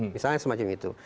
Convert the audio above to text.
misalnya semacam itu